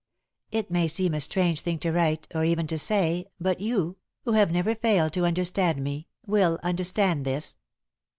It may seem a strange thing to write, or even to say, but you, who have never failed to understand me, will understand this.